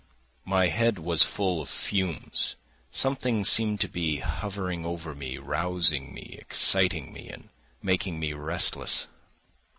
My head was full of fumes. Something seemed to be hovering over me, rousing me, exciting me, and making me restless.